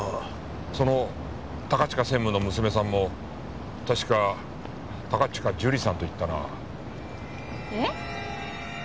その高近専務の娘さんも確か高近樹里さんといったな。えっ！？